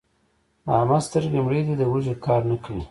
د احمد سترګې مړې دي؛ د وږي کار نه کوي.